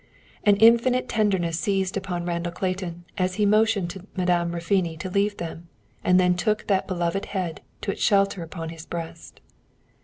An infinite tenderness seized upon Randall Clayton as he motioned to Madame Raffoni to leave them, and then took that beloved head to its shelter upon his breast.